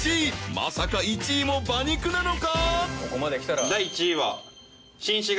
まさか１位も馬肉なのか？